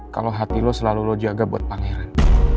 kalau hati lo selalu lo jaga buat pangeran